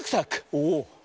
おお！